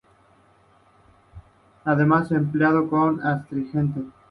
Además, es empleado como astringente.